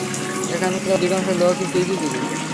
এখানকার অধিকাংশ লোকই কৃষিজীবী।